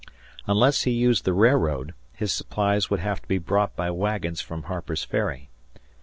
Unless he used the railroad, his supplies would have to be brought by wagons from Harper's Ferry.